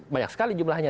banyak sekali jumlahnya